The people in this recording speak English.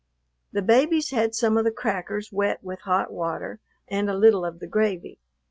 The babies had some of the crackers wet with hot water and a little of the gravy.